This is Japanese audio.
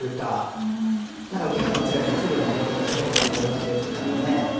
何か受け方間違えるとすぐに持っていかれそうな形ですからね。